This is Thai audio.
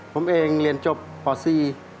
ผมเองเรียนจบปสี่